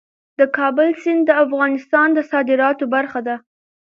د کابل سیند د افغانستان د صادراتو برخه ده.